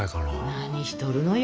何しとるのよ。